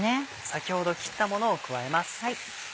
先ほど切ったものを加えます。